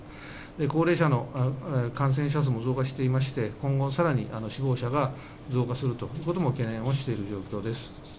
高齢者の感染者数も増加していまして、今後さらに死亡者が増加するということも懸念をしている状況です。